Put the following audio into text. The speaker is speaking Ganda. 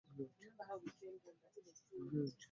Nze nkooye okubeera nga siri ne maama wange.